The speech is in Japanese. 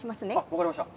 分かりました。